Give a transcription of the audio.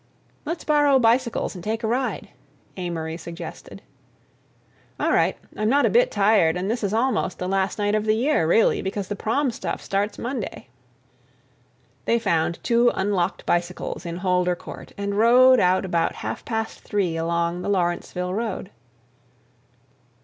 "Let's borrow bicycles and take a ride," Amory suggested. "All right. I'm not a bit tired and this is almost the last night of the year, really, because the prom stuff starts Monday." They found two unlocked bicycles in Holder Court and rode out about half past three along the Lawrenceville Road.